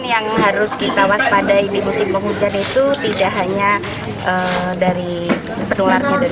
yang harus kita waspadai di musim penghujan itu tidak hanya dari penularnya dari